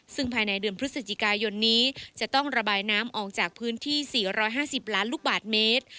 ซึ่งภายในเดือนพฤศจิกายนนี้จะต้องระบายน้ำออกจากพื้นที่๔๕๐ล้านลูกบาทเมตร